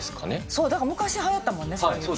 そうだから、昔、はやったもんね。